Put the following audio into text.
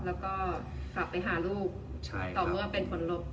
แล้วก็กลับไปหาลูกต่อเมื่อเป็นผลลบ